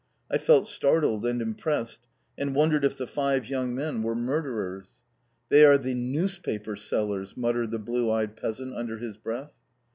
I felt startled and impressed, and wondered if the five young men were murderers. "They are the Newspaper Sellers!" muttered the blue eyed peasant under his breath.